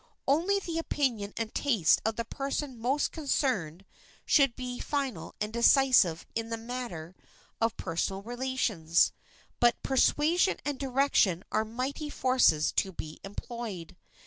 Only the opinion and taste of the person most concerned should be final and decisive in the matter of personal relations, but persuasion and direction are mighty forces to be employed.